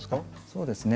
そうですね。